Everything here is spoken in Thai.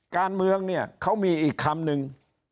การเมืองเนี่ยเขามีอีกคำนึง